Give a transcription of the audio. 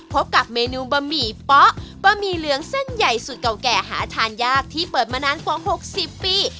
พบกับเมนูบะหมี่เป๊ะบะหมี่เหลืองเส้นใหญ่สุดเก่าแก่หาทานยากที่เปิดมานานกว่า๖๐ปี